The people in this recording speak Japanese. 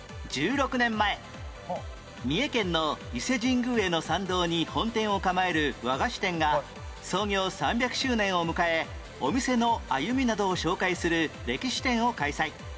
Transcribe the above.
１６年前三重県の伊勢神宮への参道に本店を構える和菓子店が創業３００周年を迎えお店の歩みなどを紹介する歴史展を開催